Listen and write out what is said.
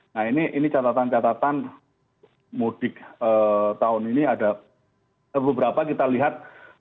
nah ini catatan catatan mudik tahun ini ada beberapa kita lihat